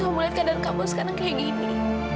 kamu melihat keadaan kamu sekarang kayak gini